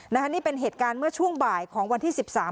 นี่เป็นเหตุการณ์เมื่อช่วงบ่ายของวันที่สิบสาม